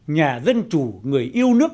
nhà dân chủ người yêu nước